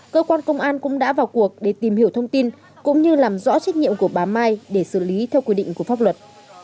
cơ quan công an cũng đã vào cuộc để tìm hiểu thông tin cũng như làm rõ trách nhiệm của bà mai để xử lý theo quy định của pháp luật